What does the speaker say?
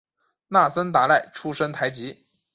那森达赖出身台吉。